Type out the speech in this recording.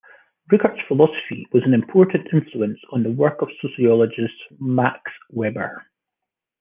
Rickert's philosophy was an important influence on the work of sociologist Max Weber.